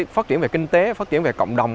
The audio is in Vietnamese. phát triển về kinh tế phát triển về cộng đồng